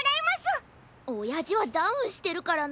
おやじはダウンしてるからな。